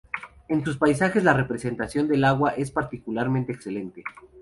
En sus paisajes la representación del agua es particularmente excelente.